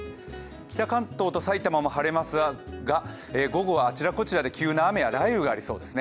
北関東と埼玉も晴れますが、午後はあちらこちらで急な雨や雷雨がありそうです。